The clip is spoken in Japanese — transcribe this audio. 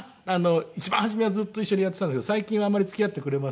一番初めはずっと一緒にやっていたんだけど最近はあんまり付き合ってくれません。